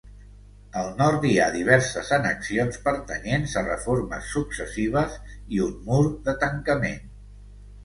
Al nord hi ha diverses annexions pertanyents a reformes successives i un mur de tancament.